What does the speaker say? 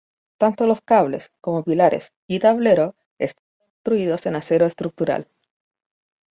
Tanto los cables, como pilares y tablero están construidos en acero estructural.